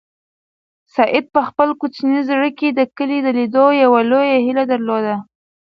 سعید په خپل کوچني زړه کې د کلي د لیدلو یوه لویه هیله درلوده.